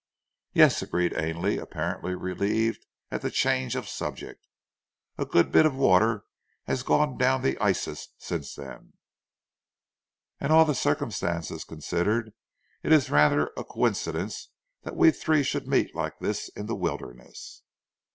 "Yes," agreed Ainley, apparently relieved at the change of subject. "A good bit of water has gone down the Isis since then." "And all the circumstances considered it is rather a coincidence that we three should meet like this in the wilderness."